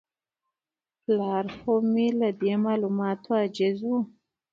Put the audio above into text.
پلار خو مې له دې معلوماتو عاجز و.